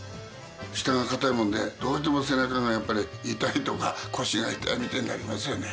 下が硬いもんでどうしても背中がやっぱり痛いとか腰が痛いみたいになりますよね。